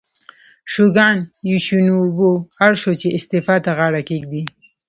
شوګان یوشینوبو اړ شو چې استعفا ته غاړه کېږدي.